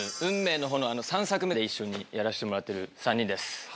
一緒にやらせてもらってる３人です。